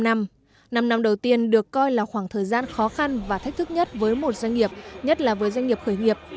năm năm đầu tiên được coi là khoảng thời gian khó khăn và thách thức nhất với một doanh nghiệp nhất là với doanh nghiệp khởi nghiệp